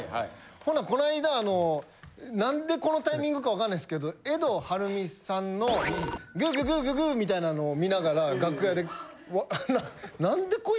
ほなこないだ何でこのタイミングかわかんないですけどエド・はるみさんのグーググーググーみたいなのを観ながら楽屋でなんでこいつ